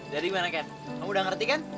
jadi gimana ken kamu udah ngerti kan